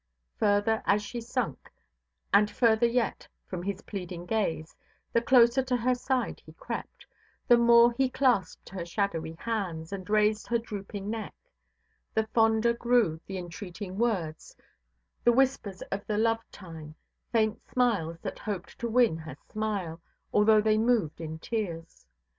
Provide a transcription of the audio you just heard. Further as she sunk, and further yet, from his pleading gaze, the closer to her side he crept, the more he clasped her shadowy hands, and raised her drooping neck; the fonder grew the entreating words, the whispers of the love–time, faint smiles that hoped to win her smile, although they moved in tears.